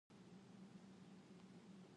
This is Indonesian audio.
Aku ketinggalan keretaku.